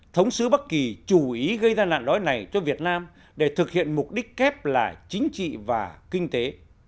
thống sứ bắc kỳ chủ ý gây ra nạn đói này cho việt nam để thực hiện mục đích kép là chính trị và kinh tế